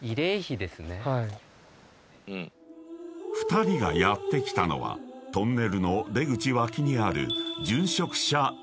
［２人がやって来たのはトンネルの出口脇にある］